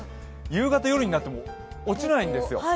夕方、夜になっても落ちないんですよ。